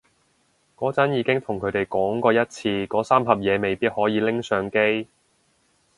嗰陣已經同佢哋講過一次嗰三盒嘢未必可以拎上機